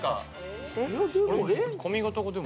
髪形がでも。